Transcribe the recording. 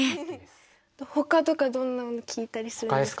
ほかとかどんなの聴いたりするんですか？